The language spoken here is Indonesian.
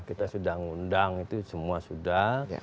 kita sudah ngundang itu semua sudah